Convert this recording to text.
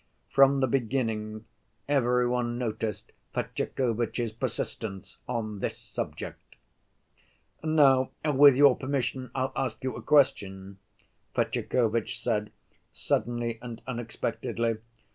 From the beginning every one noticed Fetyukovitch's persistence on this subject. "Now, with your permission I'll ask you a question," Fetyukovitch said, suddenly and unexpectedly.